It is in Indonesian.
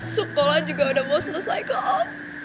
sekolah juga udah mau selesai kok